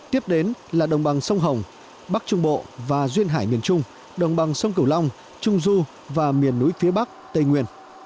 tiếp đến là đồng bằng sông hồng bắc trung bộ và duyên hải miền trung đồng bằng sông cửu long trung du và miền núi phía bắc tây nguyên